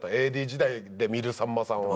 ＡＤ時代で見るさんまさんは。